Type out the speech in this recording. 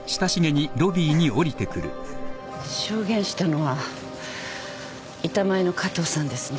証言したのは板前の加藤さんですね？